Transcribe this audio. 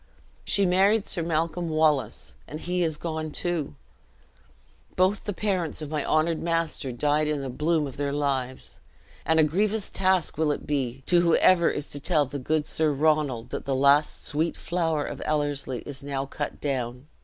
She married Sir Malcolm Wallace, and he is gone too! Both the parents of my honored master died in the bloom of their lives; and a grievous task will it be to whoever is to tell the good Sir Ronald that the last sweet flower of Ellerslie is now cut down!